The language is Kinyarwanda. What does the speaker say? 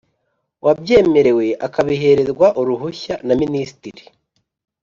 wabyemerewe akabihererwa uruhushya na Minisitiri.